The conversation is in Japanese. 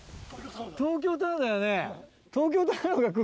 東京タワーだよね。